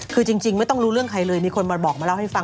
คือจริงไม่ต้องรู้เรื่องใครเลยมีคนมาบอกมาเล่าให้ฟัง